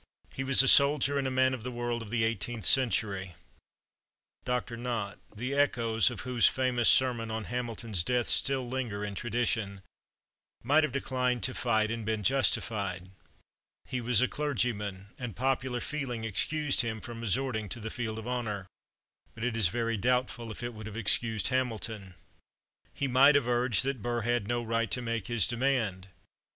He was a soldier and a man of the world of the eighteenth century. Dr. Nott, the echoes of whose famous sermon on Hamilton's death still linger in tradition, might have declined to fight and been justified. He was a clergyman, and popular feeling excused him from resorting to the field of honor. But it is very doubtful if it would have excused Hamilton. He might have urged that Burr had no right to make his demand.